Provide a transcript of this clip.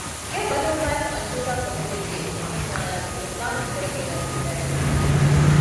ގެއަށް ވަދެވުމާއެކު އަންޖޫދާ ކޮޓަރިއަށް ދިއައީ އާމިނާއާ ކުރިމަތިލާނެ ހިތްވަރެއް އޭނާގެ ކިބައިގައި ނެތީމަ